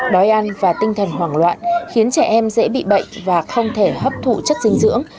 đói ăn và tinh thần hoảng loạn khiến trẻ em dễ bị bệnh và không thể hấp thụ chất dinh dưỡng